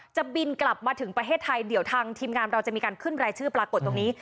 จะบินกลับมาถึงประเทศไทยเดี๋ยวทางทีมงานเราจะมีการขึ้นรายชื่อปรากฏตรงนี้